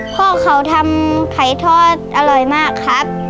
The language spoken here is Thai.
พ่อเขาทำไข่ทอดอร่อยมากครับ